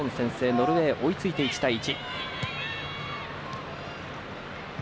ノルウェー、追いついて１対１。